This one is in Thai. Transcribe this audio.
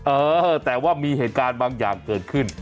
เออแต่ว่ามีเหตุการณ์บางอย่างเกิดขึ้น